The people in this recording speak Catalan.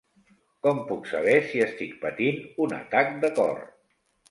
Com puc saber si estic patint un atac de cor?